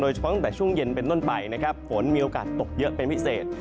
เฉพาะตั้งแต่ช่วงเย็นเป็นต้นไปนะครับฝนมีโอกาสตกเยอะเป็นพิเศษ